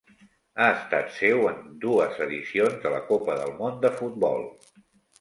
Ha estat seu en dues edicions de la Copa del Món de futbol.